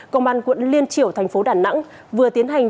công an quận liên triểu thành phố đà nẵng vừa tiến hành